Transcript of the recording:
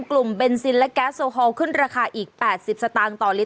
กลุ่มเบนซินและแก๊สโซฮอลขึ้นราคาอีก๘๐สตางค์ตอนนี้